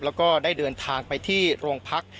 แล้วก็ได้เดินทางไปที่โรงพัก